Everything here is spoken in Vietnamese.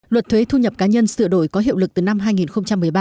luật thuế thu nhập cá nhân sửa đổi có hiệu lực từ năm hai nghìn một mươi ba